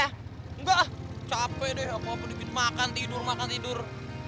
enggak capek deh aku apa dikit makan tidur makan tidur